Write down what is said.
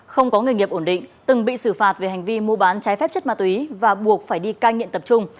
không có nghề nghiệp ổn định từng bị xử phạt về hành vi mua bán trái phép chất ma túy và buộc phải đi cai nghiện tập trung